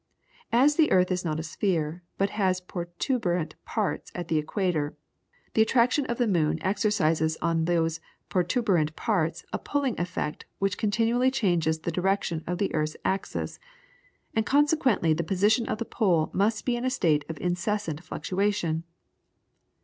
As the earth is not a sphere, but has protuberant parts at the equator, the attraction of the moon exercises on those protuberant parts a pulling effect which continually changes the direction of the earth's axis, and consequently the position of the pole must be in a state of incessant fluctuation.